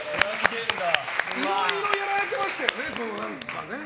いろいろやられてましたよね。